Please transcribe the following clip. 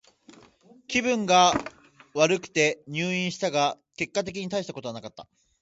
気分が悪くて入院したが、結果的にはたいしたことはなかった。